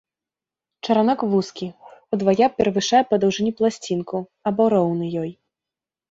Чаранок вузкі, удвая перавышае па даўжыні пласцінку або роўны ёй.